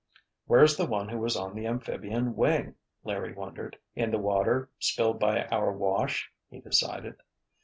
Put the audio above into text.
"Where's the one who was on the amphibian wing?" Larry wondered. "In the water, spilled by our wash," he decided.